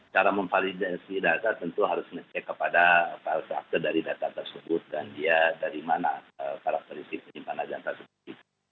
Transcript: cara memvalidasi data tentu harus ngecek kepada file factor dari data tersebut dan dia dari mana karakterisik penyimpanan data tersebut